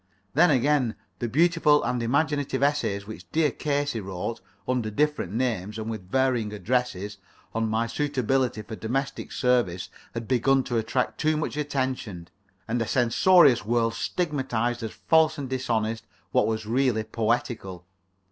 Then again, the beautiful and imaginative essays which dear Casey wrote, under different names and with varying addresses, on my suitability for domestic service, had begun to attract too much attention; and a censorious world stigmatized as false and dishonest what was really poetical.